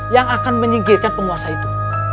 yang akan menyingkirkan penguasa itu